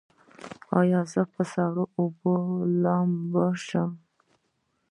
ایا زه په سړو اوبو لامبلی شم؟